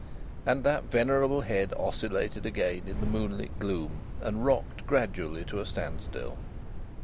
And that venerable head oscillated again in the moon lit gloom and rocked gradually to a stand still.